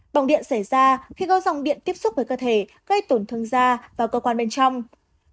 bỏng điện xảy ra khi có dòng điện tiếp xúc với cơ thể gây tổn thương da vào cơ quan bên trong